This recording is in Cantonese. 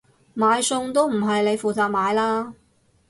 買餸都唔係你負責買啦？